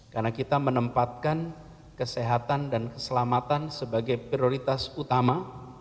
karena kita menempatkan kesehatan dan keselamatan sebagai prioritas utama